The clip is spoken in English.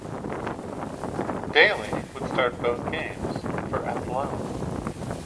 Daly would start both games for Athlone.